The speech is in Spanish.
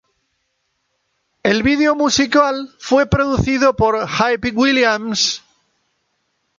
El video musical fue producido por Hype Williams.